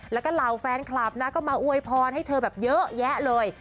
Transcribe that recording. แล้วก็เหล่าแฟนคลับนะก็มาอวยพรให้เธอแบบเยอะแยะเลย